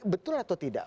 betul atau tidak